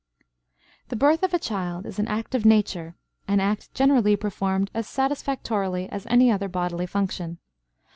The birth of a child is an act of nature, an act generally performed as satisfactorily as any other bodily function.